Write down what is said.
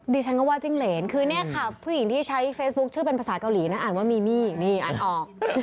ดิฉันก็ว่าจิ้งเหรนคือเนี่ยค่ะผู้หญิงที่ใช้เฟซบุ๊คชื่อเป็นภาษาเกาหลีนะอ่านว่ามีมี่นี่อ่านออก